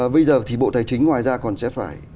bây giờ thì bộ tài chính ngoài ra còn sẽ phải